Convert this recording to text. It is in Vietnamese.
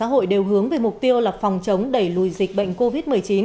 nếu xã hội đều hướng về mục tiêu là phòng chống đẩy lùi dịch bệnh covid một mươi chín